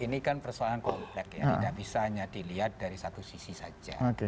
ini kan persoalan komplek ya tidak bisa hanya dilihat dari satu sisi saja